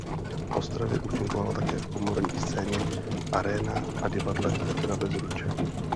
V Ostravě účinkovala také v Komorní scéně Aréna a Divadle Petra Bezruče.